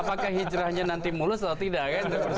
apakah hijrahnya nanti mulus atau tidak kan